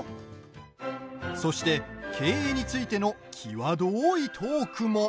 そして経営についての際どいトークも。